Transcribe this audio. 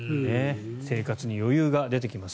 生活に余裕が出てきます。